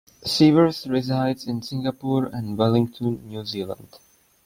Sivers resides in Singapore and Wellington, New Zealand.